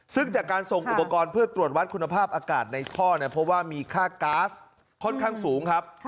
ซึ่งจากการส่งอุปกรณ์เพื่อตรวจวัดคุณภาพอากาศในท่อเนี่ยเพราะว่ามีค่าก๊าซค่อนข้างสูงครับ